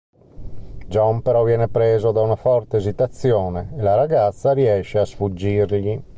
Jon però viene preso da una forte esitazione e la ragazza riesce a sfuggirgli.